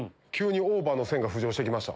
オーバーの線が浮上してきました。